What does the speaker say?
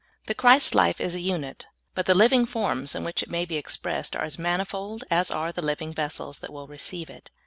The Christ Hfe is a unit, but the living forms in which it may be expressed are as manifold as are the living ves sels that will receive it.